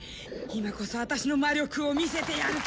今こそ私の魔力を見せてやるから」